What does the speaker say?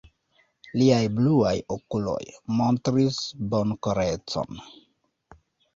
Liaj bluaj okuloj montris bonkorecon.